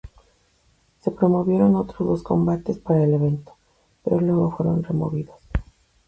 Se promovieron otros dos combates para el evento, pero luego fueron removidos.